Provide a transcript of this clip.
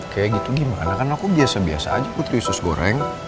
kayak gitu gimana kan aku biasa biasa aja putri sus goreng